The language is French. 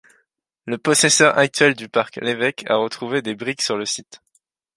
Le possesseur actuel du parc l'Évêque a retrouvé des briques sur le site.